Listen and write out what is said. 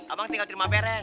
abang tinggal di rumah beres